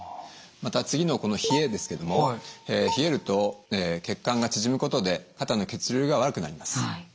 また次のこの「冷え」ですけれども冷えると血管が縮むことで肩の血流が悪くなります。